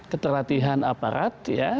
keterlatihan aparat ya